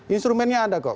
instrumennya ada kok